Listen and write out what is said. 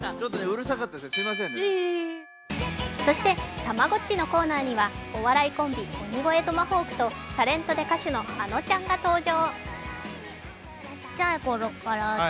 そしてたまごっちのコーナーにはお笑いコンビ、鬼越トマホークとタレントで歌手のあのちゃんが登場。